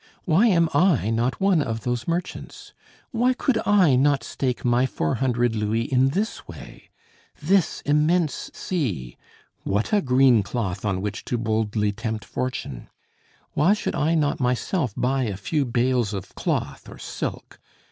Why am I not one of those merchants? Why could I not stake my four hundred louis in this way? This immense sea! What a green cloth, on which to boldly tempt fortune! Why should I not myself buy a few bales of cloth or silk?